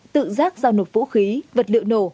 tự giác giao nộp vũ khí vật liệu nổ